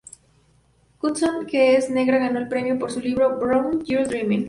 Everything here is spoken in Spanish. Woodson, que es negra, ganó el premio por su libro "Brown Girl Dreaming".